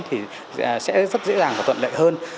thì sẽ rất dễ dàng và thuận lợi hơn